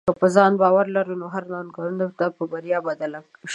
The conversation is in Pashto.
که په ځان باور لرې، نو هره ننګونه به بریا ته بدل شې.